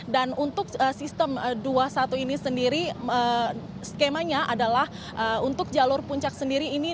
dan untuk sistem dua puluh satu ini sendiri skemanya adalah untuk jalur puncak sendiri ini